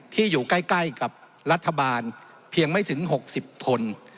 ที่อยู่ใกล้กับรัฐบาลเพียงไม่ถึง๖๐คน